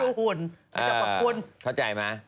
ถ้าเกิดว่าคุณเข้าใจไหม